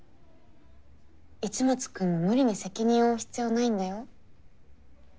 市松君も無理に責任を負う必要ないんだよ？